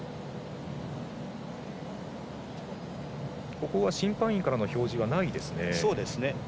ここは審判員からの表示はないですね。